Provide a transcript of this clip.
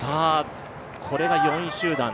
これが４位集団。